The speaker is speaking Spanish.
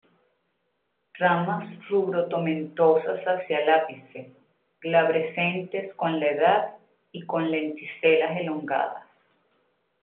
Ramas rubro-tomentosas hacia el ápice, glabrescentes con la edad y con lenticelas elongadas.